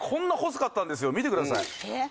見てくださいえっ？